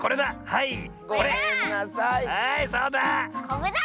はいそうだ！